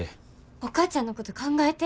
お母ちゃんのこと考えて。